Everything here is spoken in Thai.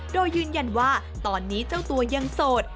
โดยยืนยันว่าตอนนี้เจ้าตัวยังโสด